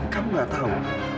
kamu gak tahu